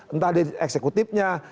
entah di eksekutifnya